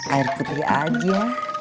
air putih aja